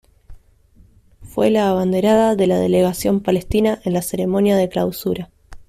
Fue la abanderada de la delegación palestina en la ceremonia de clausura.